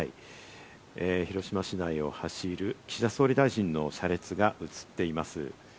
広島市内を走る岸田総理大臣の車列が映っています。